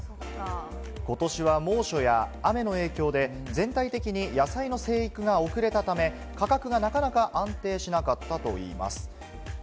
ことしは猛暑や雨の影響で、全体的に野菜の生育が遅れたため、価格がなかなか安定しなかったといいます。